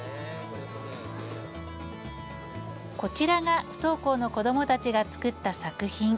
こちらが不登校の子どもたちが作った作品。